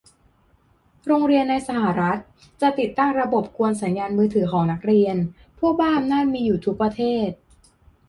โรงเรียนในสหรัฐ จะติดตั้งระบบกวนสัญญาณมือถือของนักเรียน พวกบ้าอำนาจมีอยู่ทุกประเทศ